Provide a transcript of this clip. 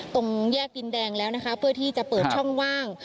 ตรงแยกดินแดงแล้วนะคะเพื่อที่จะเปิดช่องว่าง